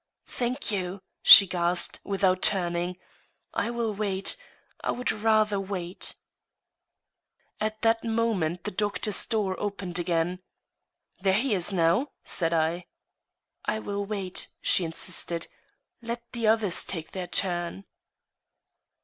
"Thank you!" she gasped, without turning, "I will wait. I would rather wait." At that moment the doctor's door opened again. "There he is now," said I. "I will wait," she insisted. "Let the others take their turn."